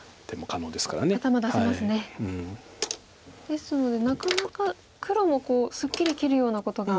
ですのでなかなか黒もすっきり切るようなことが。